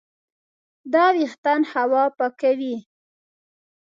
دا وېښتان هوا پاکوي.